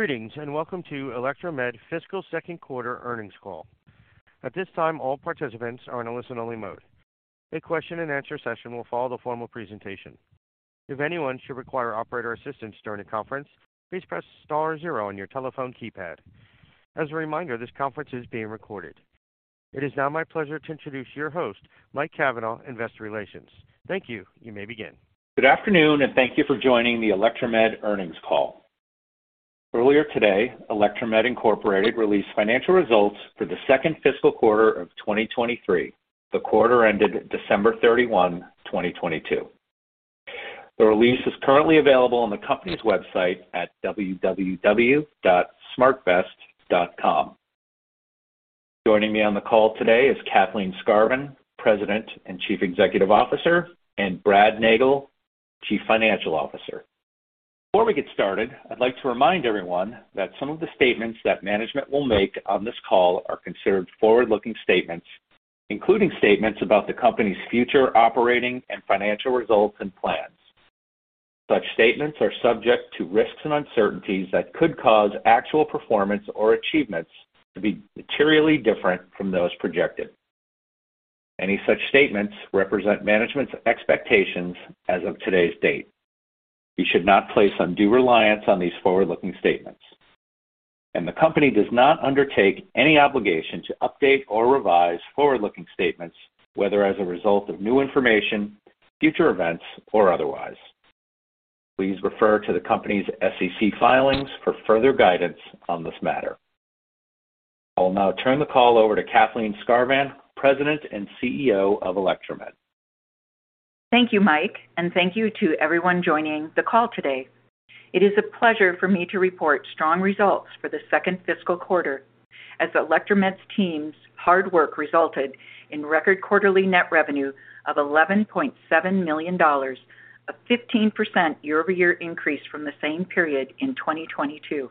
Greetings, welcome to Electromed fiscal second quarter earnings call. At this time, all participants are in a listen-only mode. A question and answer session will follow the formal presentation. If anyone should require operator assistance during the conference, please press star 0 on your telephone keypad. As a reminder, this conference is being recorded. It is now my pleasure to introduce your host, Mike Cavanaugh, Investor Relations. Thank you. You may begin. Good afternoon, and thank you for joining the Electromed earnings call. Earlier today, Electromed, Inc. released financial results for the second fiscal quarter of 2023. The quarter ended December 31, 2022. The release is currently available on the company's website at www.smartvest.com. Joining me on the call today is Kathleen Skarvan, President and Chief Executive Officer, and Brad Nagel, Chief Financial Officer. Before we get started, I'd like to remind everyone that some of the statements that management will make on this call are considered forward-looking statements, including statements about the company's future operating and financial results and plans. Such statements are subject to risks and uncertainties that could cause actual performance or achievements to be materially different from those projected. Any such statements represent management's expectations as of today's date. We should not place undue reliance on these forward-looking statements. The company does not undertake any obligation to update or revise forward-looking statements, whether as a result of new information, future events, or otherwise. Please refer to the company's SEC filings for further guidance on this matter. I will now turn the call over to Kathleen Skarvan, President and CEO of Electromed. Thank you, Mike. Thank you to everyone joining the call today. It is a pleasure for me to report strong results for the second fiscal quarter as Electromed's team's hard work resulted in record quarterly net revenue of $11.7 million, a 15% year-over-year increase from the same period in 2022.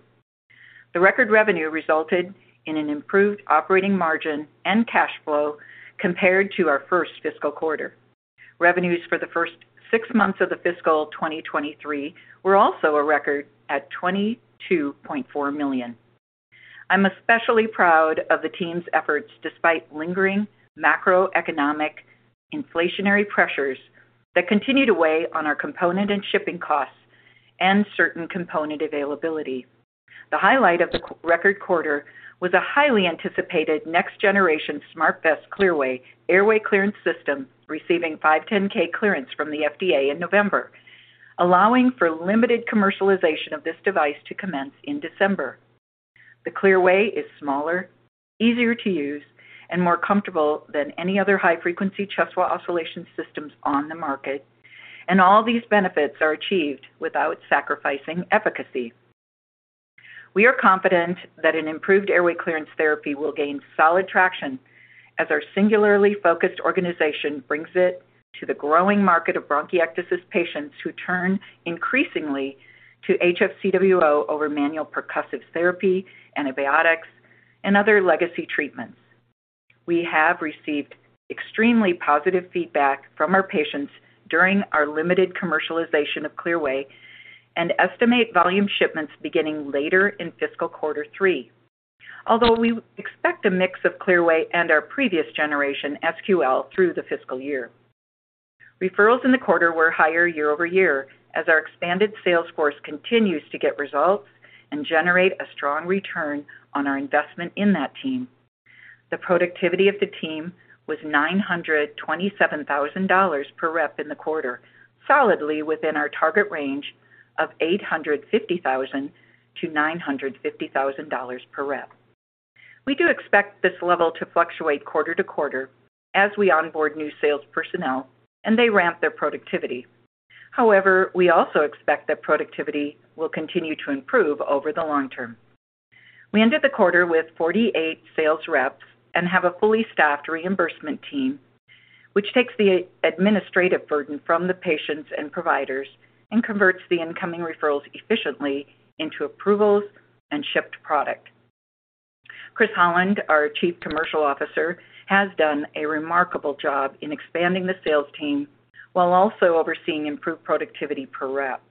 The record revenue resulted in an improved operating margin and cash flow compared to our first fiscal quarter. Revenues for the first six months of the fiscal 2023 were also a record at $22.4 million. I'm especially proud of the team's efforts despite lingering macroeconomic inflationary pressures that continued to weigh on our component and shipping costs and certain component availability. The highlight of the record quarter was a highly anticipated next generation SmartVest Clearway airway clearance system receiving 510(K) clearance from the FDA in November, allowing for limited commercialization of this device to commence in December. The Clearway is smaller, easier to use, and more comfortable than any other high-frequency chest wall oscillation systems on the market, and all these benefits are achieved without sacrificing efficacy. We are confident that an improved airway clearance therapy will gain solid traction as our singularly focused organization brings it to the growing market of bronchiectasis patients who turn increasingly to HFCWO over manual percussive therapy, antibiotics, and other legacy treatments. We have received extremely positive feedback from our patients during our limited commercialization of Clearway and estimate volume shipments beginning later in fiscal quarter three. Although we expect a mix of Clearway and our previous generation SQL through the fiscal year. Referrals in the quarter were higher year-over-year as our expanded sales force continues to get results and generate a strong return on our investment in that team. The productivity of the team was $927,000 per rep in the quarter, solidly within our target range of $850,000-$950,000 per rep. We do expect this level to fluctuate quarter-to-quarter as we onboard new sales personnel and they ramp their productivity. However, we also expect that productivity will continue to improve over the long term. We ended the quarter with 48 sales reps and have a fully staffed reimbursement team, which takes the administrative burden from the patients and providers and converts the incoming referrals efficiently into approvals and shipped product. Chris Holland, our Chief Commercial Officer, has done a remarkable job in expanding the sales team while also overseeing improved productivity per rep,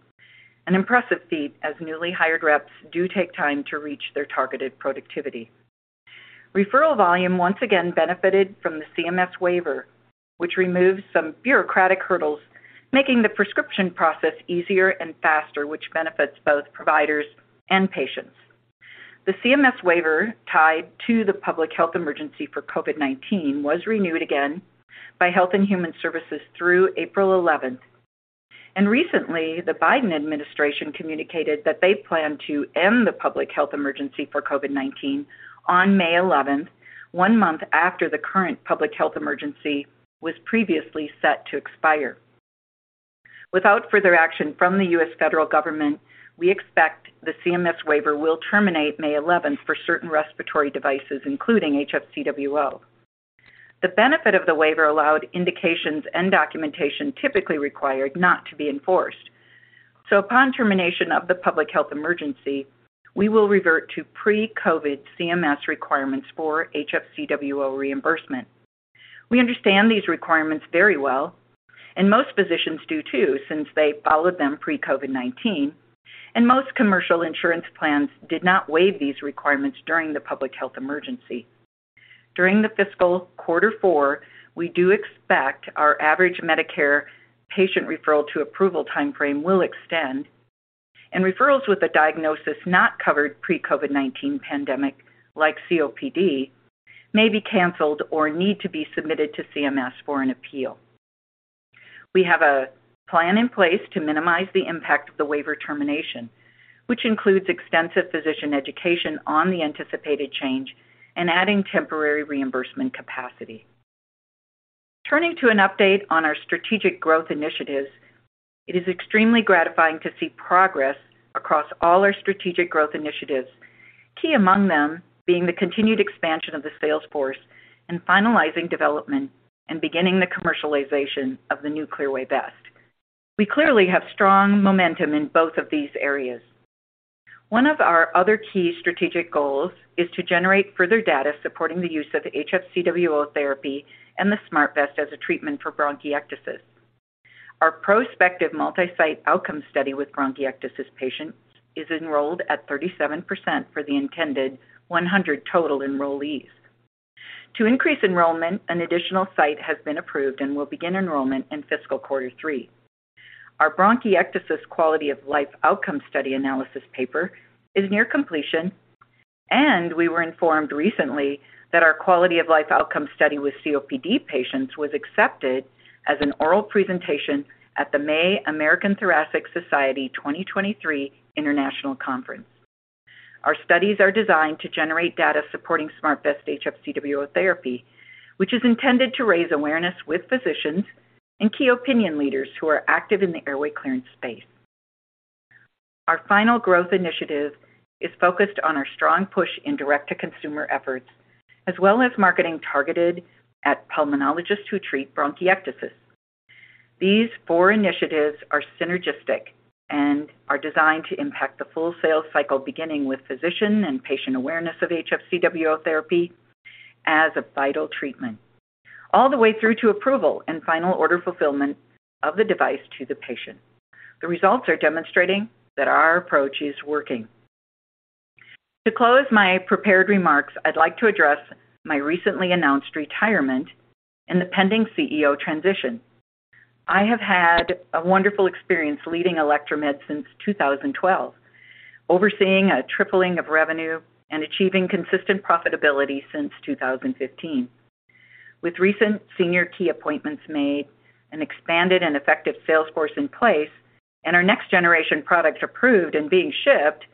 an impressive feat as newly hired reps do take time to reach their targeted productivity. Referral volume once again benefited from the CMS waiver, which removes some bureaucratic hurdles, making the prescription process easier and faster, which benefits both providers and patients. The CMS waiver tied to the public health emergency for COVID-19 was renewed again by Health and Human Services through April eleventh. Recently, the Biden administration communicated that they plan to end the public health emergency for COVID-19 on May 11, one month after the current public health emergency was previously set to expire. Without further action from the U.S. federal government, we expect the CMS waiver will terminate May 11 for certain respiratory devices, including HFCWO. The benefit of the waiver allowed indications and documentation typically required not to be enforced. Upon termination of the public health emergency, we will revert to pre-COVID CMS requirements for HFCWO reimbursement. We understand these requirements very well, and most physicians do too, since they followed them pre-COVID-19. Most commercial insurance plans did not waive these requirements during the public health emergency. During the fiscal quarter four, we do expect our average Medicare patient referral to approval timeframe will extend, and referrals with a diagnosis not covered pre-COVID-19 pandemic, like COPD, may be canceled or need to be submitted to CMS for an appeal. We have a plan in place to minimize the impact of the waiver termination, which includes extensive physician education on the anticipated change and adding temporary reimbursement capacity. To an update on our strategic growth initiatives, it is extremely gratifying to see progress across all our strategic growth initiatives. Key among them being the continued expansion of the sales force and finalizing development and beginning the commercialization of the new Clearway vest. We clearly have strong momentum in both of these areas. One of our other key strategic goals is to generate further data supporting the use of HFCWO therapy and the SmartVest as a treatment for bronchiectasis. Our prospective multi-site outcome study with bronchiectasis patients is enrolled at 37% for the intended 100 total enrollees. To increase enrollment, an additional site has been approved and will begin enrollment in fiscal quarter three. Our bronchiectasis quality of life outcome study analysis paper is near completion, and we were informed recently that our quality of life outcome study with COPD patients was accepted as an oral presentation at the May American Thoracic Society 2023 International Conference. Our studies are designed to generate data supporting SmartVest HFCWO therapy, which is intended to raise awareness with physicians and key opinion leaders who are active in the airway clearance space. Our final growth initiative is focused on our strong push in direct-to-consumer efforts, as well as marketing targeted at pulmonologists who treat bronchiectasis. These four initiatives are synergistic and are designed to impact the full sales cycle, beginning with physician and patient awareness of HFCWO therapy as a vital treatment, all the way through to approval and final order fulfillment of the device to the patient. The results are demonstrating that our approach is working. To close my prepared remarks, I'd like to address my recently announced retirement and the pending CEO transition. I have had a wonderful experience leading Electromed since 2012, overseeing a tripling of revenue and achieving consistent profitability since 2015. With recent senior key appointments made, an expanded and effective sales force in place, and our next-generation products approved and being shipped,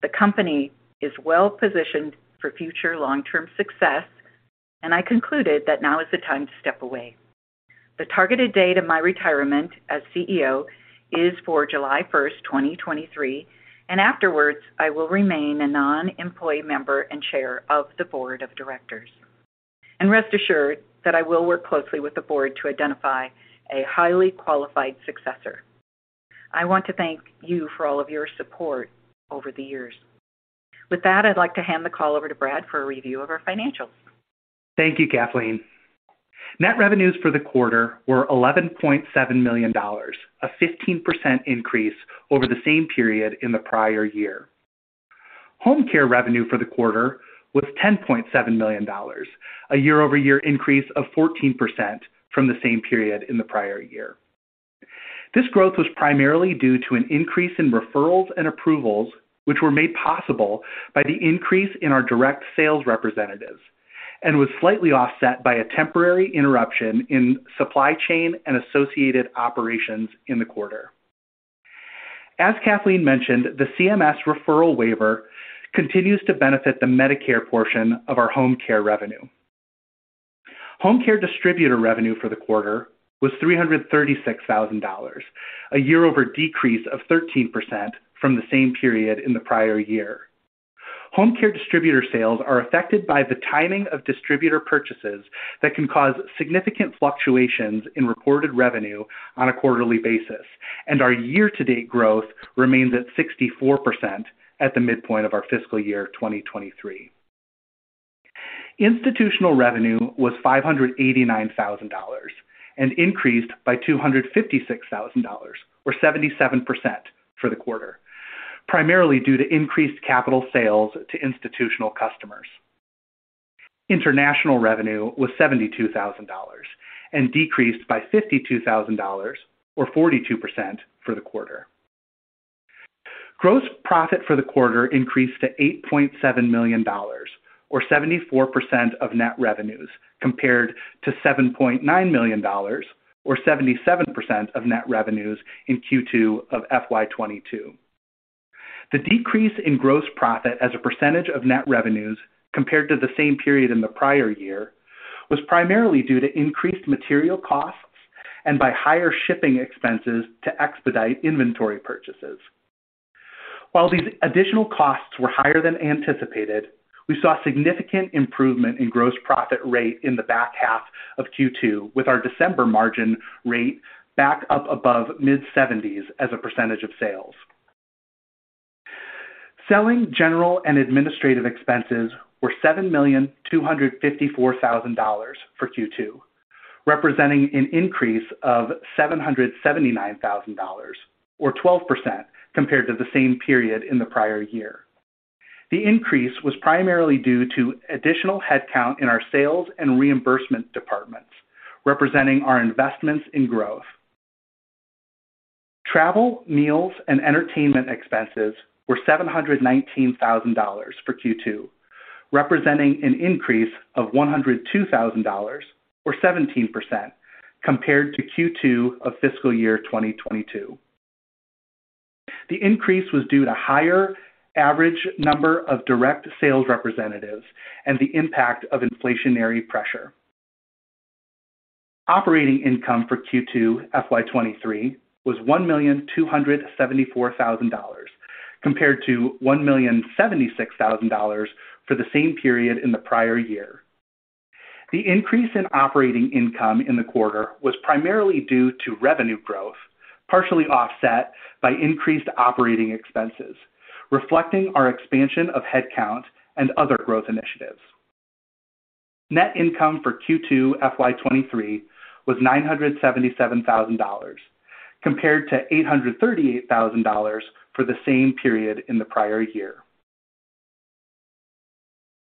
the company is well-positioned for future long-term success. I concluded that now is the time to step away. The targeted date of my retirement as CEO is for July 1st, 2023. Afterwards, I will remain a non-employee member and chair of the board of directors. Rest assured that I will work closely with the board to identify a highly qualified successor. I want to thank you for all of your support over the years. With that, I'd like to hand the call over to Brad for a review of our financials. Thank you, Kathleen. Net revenues for the quarter were $11.7 million, a 15% increase over the same period in the prior year. Home care revenue for the quarter was $10.7 million, a year-over-year increase of 14% from the same period in the prior year. This growth was primarily due to an increase in referrals and approvals, which were made possible by the increase in our direct sales representatives and was slightly offset by a temporary interruption in supply chain and associated operations in the quarter. As Kathleen mentioned, the CMS referral waiver continues to benefit the Medicare portion of our home care revenue. Home care distributor revenue for the quarter was $336,000, a year-over-year decrease of 13% from the same period in the prior year. Home care distributor sales are affected by the timing of distributor purchases that can cause significant fluctuations in reported revenue on a quarterly basis, and our year-to-date growth remains at 64% at the midpoint of our fiscal year 2023. Institutional revenue was $589,000 and increased by $256,000 or 77% for the quarter, primarily due to increased capital sales to institutional customers. International revenue was $72,000 and decreased by $52,000 or 42% for the quarter. Gross profit for the quarter increased to $8.7 million or 74% of net revenues compared to $7.9 million or 77% of net revenues in Q2 of FY 2022. The decrease in gross profit as a percentage of net revenues compared to the same period in the prior year was primarily due to increased material costs and by higher shipping expenses to expedite inventory purchases. While these additional costs were higher than anticipated, we saw significant improvement in gross profit rate in the back half of Q2 with our December margin rate back up above mid-70s as a percentage of sales. Selling general and administrative expenses were $7,254,000 for Q2, representing an increase of $779,000 or 12% compared to the same period in the prior year. The increase was primarily due to additional headcount in our sales and reimbursement departments, representing our investments in growth. Travel, meals, and entertainment expenses were $719,000 for Q2, representing an increase of $102,000 or 17% compared to Q2 of fiscal year 2022. The increase was due to higher average number of direct sales representatives and the impact of inflationary pressure. Operating income for Q2 FY 2023 was $1,274,000, compared to $1,076,000 for the same period in the prior year. The increase in operating income in the quarter was primarily due to revenue growth, partially offset by increased operating expenses, reflecting our expansion of headcount and other growth initiatives. Net income for Q2 FY 2023 was $977,000, compared to $838,000 for the same period in the prior year.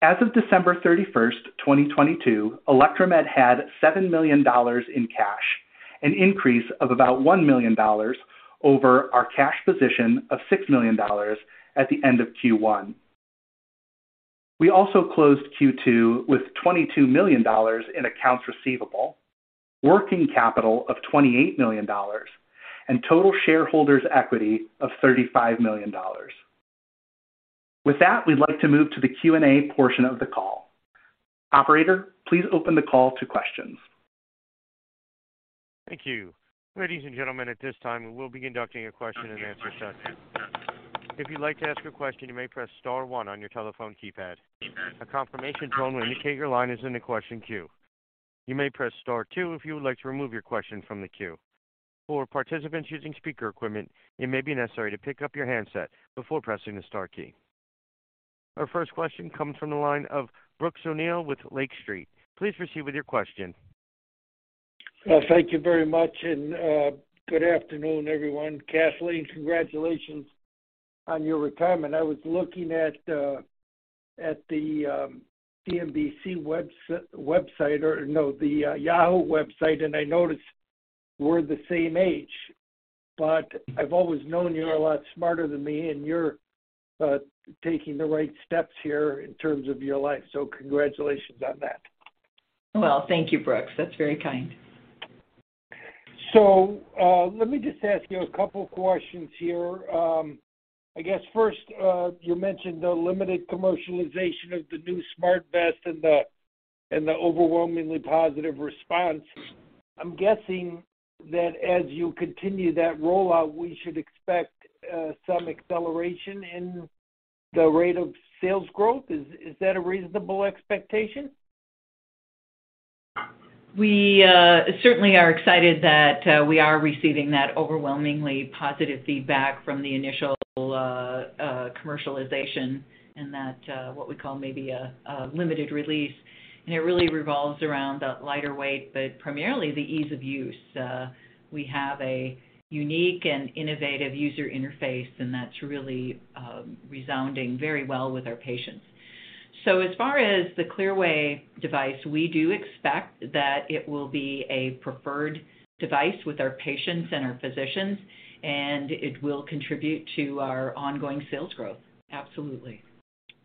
As of December 31st, 2022, Electromed had $7 million in cash, an increase of about $1 million over our cash position of $6 million at the end of Q1. We also closed Q2 with $22 million in accounts receivable, working capital of $28 million, and total shareholders equity of $35 million. With that, we'd like to move to the Q&A portion of the call. Operator, please open the call to questions. Thank you. Ladies and gentlemen, at this time, we will be conducting a question and answer session. If you'd like to ask a question, you may press star one on your telephone keypad. A confirmation tone will indicate your line is in the question queue. You may press star two if you would like to remove your question from the queue. For participants using speaker equipment, it may be necessary to pick up your handset before pressing the star key. Our first question comes from the line of Brooks O'Neill with Lake Street. Please proceed with your question. Thank you very much. Good afternoon, everyone. Kathleen, congratulations on your retirement. I was looking at the NBC website, or no, the Yahoo website, and I noticed we're the same age, but I've always known you're a lot smarter than me, and you're taking the right steps here in terms of your life. Congratulations on that. Well, thank you, Brooks. That's very kind. Let me just ask you a couple of questions here. I guess first, you mentioned the limited commercialization of the new SmartVest and the overwhelmingly positive response. I'm guessing that as you continue that rollout, we should expect some acceleration in the rate of sales growth. Is that a reasonable expectation? We certainly are excited that we are receiving that overwhelmingly positive feedback from the initial commercialization and that what we call maybe a limited release. It really revolves around the lighter weight, but primarily the ease of use. We have a unique and innovative user interface, and that's really resounding very well with our patients. As far as the Clearway device, we do expect that it will be a preferred device with our patients and our physicians, and it will contribute to our ongoing sales growth. Absolutely.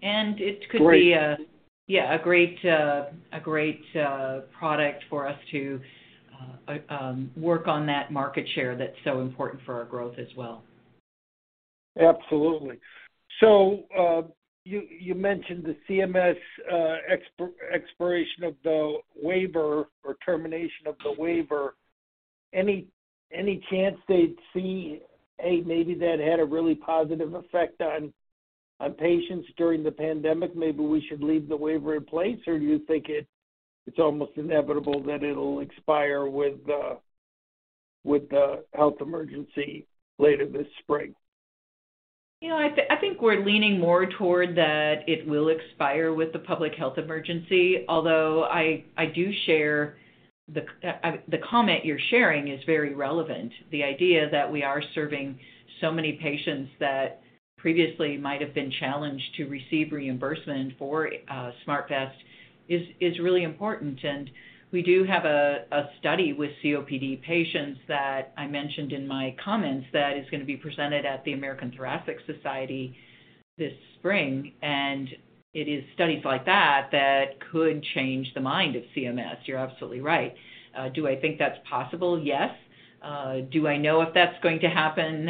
It could be a- Great- A great product for us to work on that market share that's so important for our growth as well. Absolutely. You mentioned the CMS expiration of the waiver or termination of the waiver. Any chance they'd see, hey, maybe that had a really positive effect on patients during the pandemic, maybe we should leave the waiver in place, or do you think it's almost inevitable that it'll expire with the health emergency later this spring? You know, I think we're leaning more toward that it will expire with the public health emergency. Although I do share the comment you're sharing is very relevant. The idea that we are serving so many patients that previously might have been challenged to receive reimbursement for SmartVest is really important. We do have a study with COPD patients that I mentioned in my comments that is gonna be presented at the American Thoracic Society this spring. It is studies like that that could change the mind of CMS. You're absolutely right. Do I think that's possible? Yes. Do I know if that's going to happen?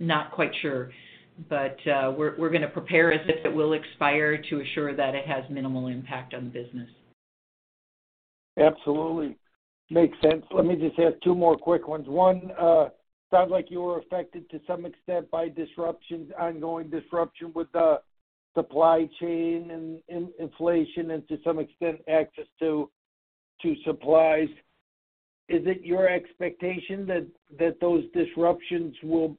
Not quite sure. We're gonna prepare as if it will expire to assure that it has minimal impact on business. Absolutely. Makes sense. Let me just ask two more quick ones. One, sounds like you were affected to some extent by ongoing disruption with the supply chain and inflation and to some extent, access to supplies. Is it your expectation that those disruptions will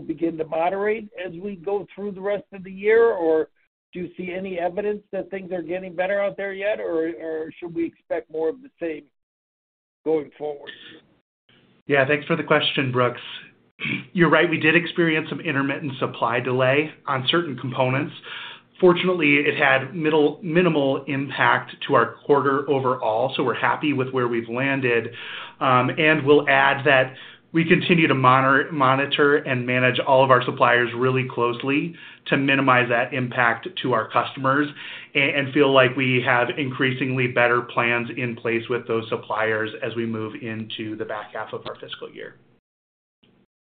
begin to moderate as we go through the rest of the year? Or should we expect more of the same going forward? Yeah. Thanks for the question, Brooks. You're right. We did experience some intermittent supply delay on certain components. Fortunately, it had minimal impact to our quarter overall, so we're happy with where we've landed. We'll add that we continue to monitor and manage all of our suppliers really closely to minimize that impact to our customers and feel like we have increasingly better plans in place with those suppliers as we move into the back half of our fiscal year.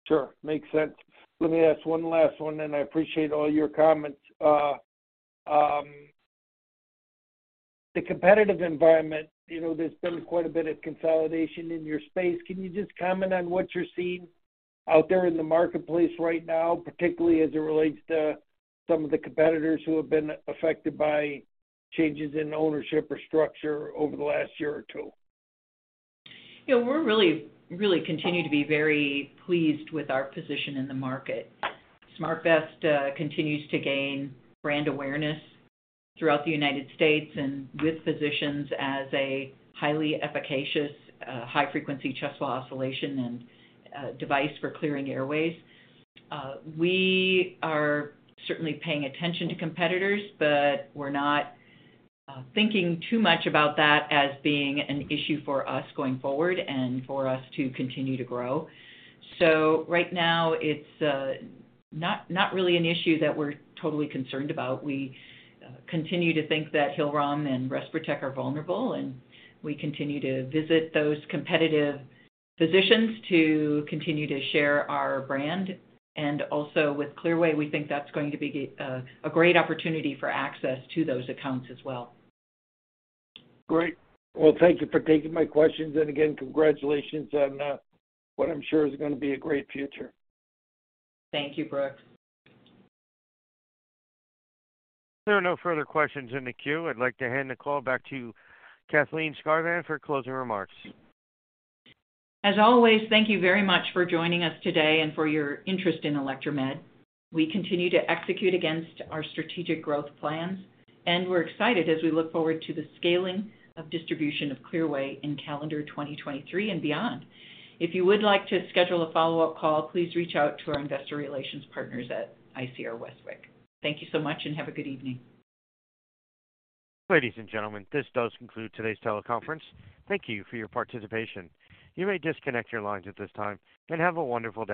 Sure. Makes sense. Let me ask one last one, and I appreciate all your comments. The competitive environment, you know, there's been quite a bit of consolidation in your space. Can you just comment on what you're seeing out there in the marketplace right now, particularly as it relates to some of the competitors who have been affected by changes in ownership or structure over the last year or two? You know, we're really continue to be very pleased with our position in the market. SmartVest continues to gain brand awareness throughout the United States and with physicians as a highly efficacious high-frequency chest wall oscillation and device for clearing airways. We are certainly paying attention to competitors, but we're not thinking too much about that as being an issue for us going forward and for us to continue to grow. Right now, it's not really an issue that we're totally concerned about. We continue to think that Hill-Rom and RespirTech are vulnerable, and we continue to visit those competitive physicians to continue to share our brand. Also with Clearway, we think that's going to be a great opportunity for access to those accounts as well. Great. Well, thank you for taking my questions. Again, congratulations on what I'm sure is gonna be a great future. Thank you, Brooks. There are no further questions in the queue. I'd like to hand the call back to Kathleen Skarvan for closing remarks. As always, thank you very much for joining us today and for your interest in Electromed. We continue to execute against our strategic growth plans, and we're excited as we look forward to the scaling of distribution of Clearway in calendar 2023 and beyond. If you would like to schedule a follow-up call, please reach out to our investor relations partners at ICR Westwicke. Thank you so much and have a good evening. Ladies and gentlemen, this does conclude today's teleconference. Thank you for your participation. You may disconnect your lines at this time, and have a wonderful evening.